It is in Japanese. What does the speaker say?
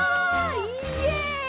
イエイ！